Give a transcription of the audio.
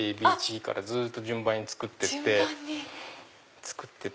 ＡＢＣからずっと順番に作ってって。